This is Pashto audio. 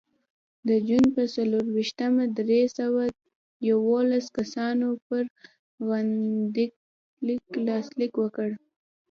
د جون په څلرویشتمه درې سوه یوولس کسانو پر غندنلیک لاسلیک وکړ.